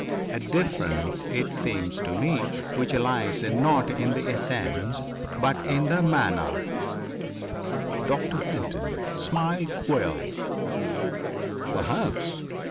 A difference, it seems to me, which lies, not in the essence but in the manner." Doctor Fenton smiled queerly. "Perhaps.